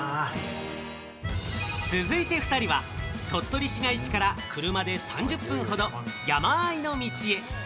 続いて２人は鳥取市街地から車で３０分ほど、山間の道。